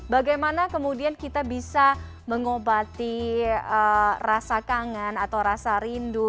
bagaimana kemudian kita bisa mengobati rasa kangen atau rasa rindu